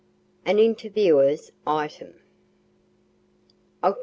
AN INTERVIEWER'S ITEM _Oct.